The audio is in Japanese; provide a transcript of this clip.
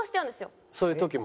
そういう時も？